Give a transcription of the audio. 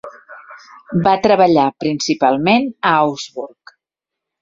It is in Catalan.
Va treballar principalment a Augsburg.